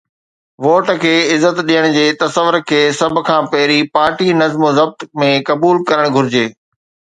Vote کي عزت ڏيڻ جي تصور کي سڀ کان پهرين پارٽي نظم و ضبط ۾ قبول ڪرڻ گهرجي.